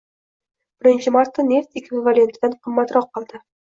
Birinchi marta neft ekvivalentidan qimmatroq qildi.